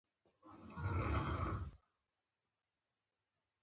احمدشاه بابا د دراني امپراتورۍ بنسټ یې کېښود.